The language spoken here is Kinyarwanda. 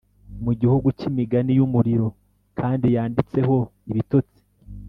mu gihugu cyimigani yumuriro, kandi yanditseho ibitotsi,